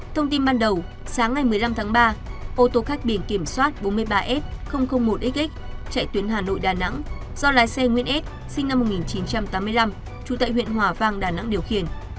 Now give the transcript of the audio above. thông tin ban đầu sáng ngày một mươi năm tháng ba ô tô khách biển kiểm soát bốn mươi ba f một xx chạy tuyến hà nội đà nẵng do lái xe nguyễn s sinh năm một nghìn chín trăm tám mươi năm trú tại huyện hòa vang đà nẵng điều khiển